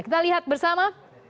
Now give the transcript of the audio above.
kita lihat bersama